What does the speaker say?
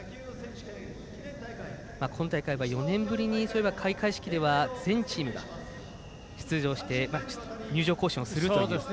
今大会は４年ぶりに開会式では全チームが出場して入場行進をするという。